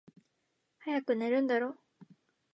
早く寝るんだろ？